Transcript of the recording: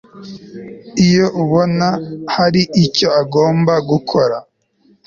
iyo abona hari icyo agomba gukora